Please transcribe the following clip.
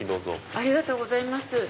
ありがとうございます。